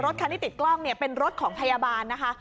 คันที่ติดกล้องเนี่ยเป็นรถของพยาบาลนะคะ